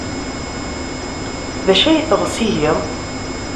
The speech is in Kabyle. D acu ay teɣs ihi?